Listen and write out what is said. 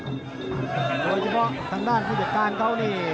โดยเฉพาะทางด้านผู้จัดการเขานี่